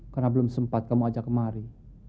karena belum sempat kamu ajak kemari